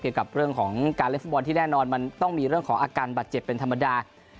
กับเรื่องของการเล่นฟุตบอลที่แน่นอนมันต้องมีเรื่องของอาการบาดเจ็บเป็นธรรมดา